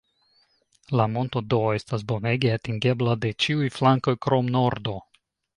La monto do estas bonege atingebla de ĉiuj flankoj krom nordo.